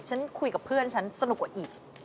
ฉันคุยกับเพื่อนฉันสนุกกว่าอีก